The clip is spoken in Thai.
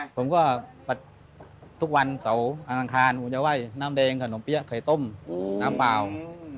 ผมก็ปรับทุกวันเสาร์อังคารฮูยว่ายนางแดงขนมเปี๊ยะไข่ต้มนางปล่าวครับ